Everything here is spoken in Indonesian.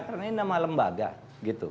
karena ini nama lembaga gitu